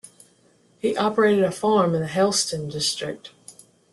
He operated a farm in the Helston district.